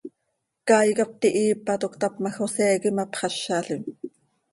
Caay cop tihiipa, toc cötap ma, José quih imapxázalim.